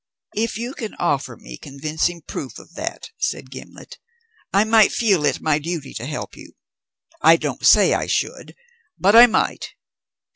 "If you can offer me convincing proof of that," said Gimblet, "I might feel it my duty to help you. I don't say I should, but I might.